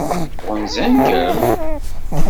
Ɣunzan-kem?